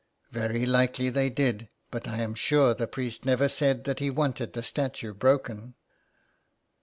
" Very likely they did, but I am sure the priest never said that he wanted the statue broken."